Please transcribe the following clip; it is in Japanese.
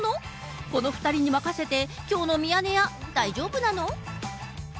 この２人に任せてきょうのミヤネ屋、大丈夫なの。